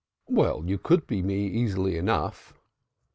"Well, you could be me easily enough."